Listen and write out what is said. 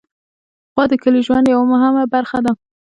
غوا د کلي ژوند یوه مهمه برخه ده.